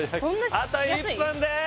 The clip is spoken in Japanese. あと１分でーす！